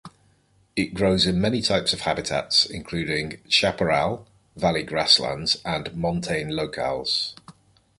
It grows in many types of habitats, including chaparral, valley grasslands, and montane locales.